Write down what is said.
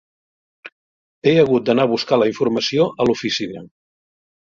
He hagut d'anar a buscar la informació a l'oficina.